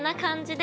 で